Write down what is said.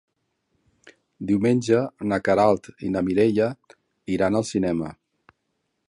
Diumenge na Queralt i na Mireia iran al cinema.